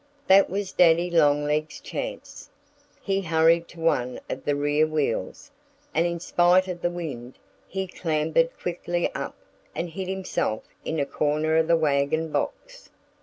That was Daddy Longlegs' chance. He hurried to one of the rear wheels. And in spite of the wind he clambered quickly up and hid himself in a corner of the wagon box.